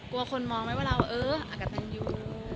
กลัวคนมองไหมว่าเราเอออากตันยู